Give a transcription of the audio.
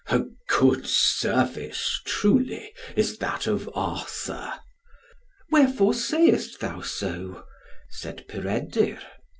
"A good service, truly, is that of Arthur." "Wherefore sayest thou so?" said Peredur.